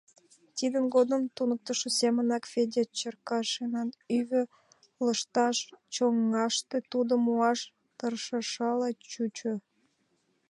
Тидын годым туныктышо семынак Федя Черкашинат ӱвӧ лышташ лоҥгаште тудым муаш тыршышыла чучо.